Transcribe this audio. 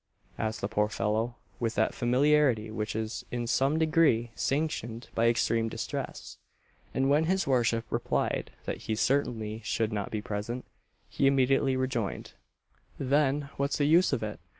asked the poor fellow, with that familiarity which is in some degree sanctioned by extreme distress; and when his worship replied that he certainly should not be present, he immediately rejoined, "Then what's the use of it!